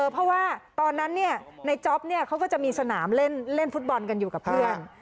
เพราะว่าตอนนั้นในจ๊อปเขาก็จะมีสนามเล่นฟุตบอลกันอยู่กับเพื่อน